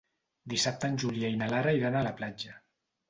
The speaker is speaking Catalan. Dissabte en Julià i na Lara iran a la platja.